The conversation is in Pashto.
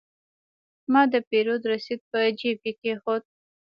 ما د پیرود رسید په جیب کې کېښود.